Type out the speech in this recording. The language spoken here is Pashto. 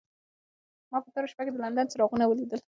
ما په توره شپه کې د لندن څراغونه ولیدل.